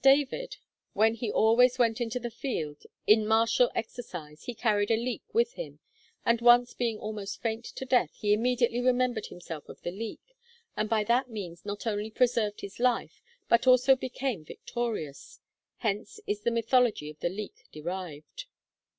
David when hee always went into the field in Martiall exercise he carried a Leek with him, and once being almost faint to death, he immediately remembred himself of the Leek, and by that means not only preserved his life but also became victorious: hence is the Mythologie of the Leek derived.'